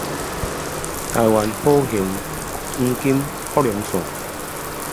台灣好行黃金福隆線